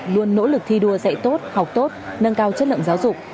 luôn nỗ lực thi đua dạy tốt học tốt nâng cao chất lượng giáo dục